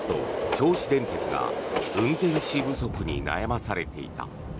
銚子電鉄が運転士不足に悩まされていた。